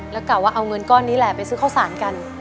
แล้วกะว่าเอาเงินก้อนนี้แหละไปซื้อข้าวสารกัน